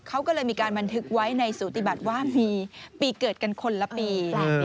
เขาก็เลยมีการบันทึกไว้ในสูติบัติว่ามีปีเกิดกันคนละปี